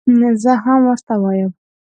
زه هم ورته وایم.